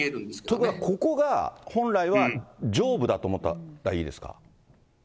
ということはここが本来は上部だと思ったらいいですか。